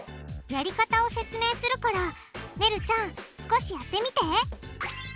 やり方を説明するからねるちゃん少しやってみて！